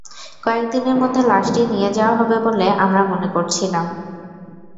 কয়েক দিনের মধ্যে লাশটি নিয়ে যাওয়া হবে বলে আমরা মনে করেছিলাম।